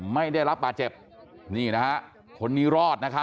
ไม่ได้รับบาดเจ็บนี่นะฮะคนนี้รอดนะคะ